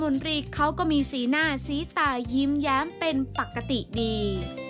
นตรีเขาก็มีสีหน้าสีตายิ้มแย้มเป็นปกติดี